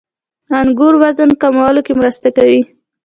• انګور وزن کمولو کې مرسته کوي.